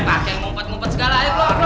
pakeng mumpet mumpet segala ayo keluar